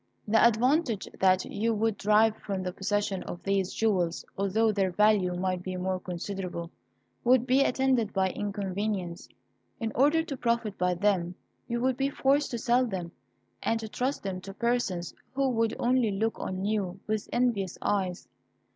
The advantage that you would derive from the possession of these jewels, although their value might be more considerable, would be attended by inconvenience. In order to profit by them you would be forced to sell them, and to trust them to persons who would only look on you with envious eyes.